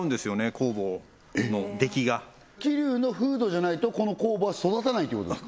酵母の出来が桐生の風土じゃないとこの酵母は育たないということですか？